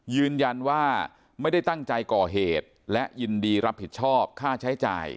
ยืนยันว่าไม่ได้ตั้งใจก่อเหตุและยินดีรับผิดชอบค่าใช้จ่าย